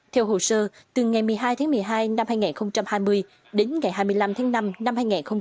theo hồ sơ từ ngày một mươi hai tháng một mươi hai năm hai nghìn hai mươi đến ngày hai mươi năm tháng năm năm hai nghìn hai mươi